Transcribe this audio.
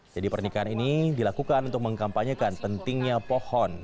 jadi pernikahan ini dilakukan untuk mengkampanyekan pentingnya pohon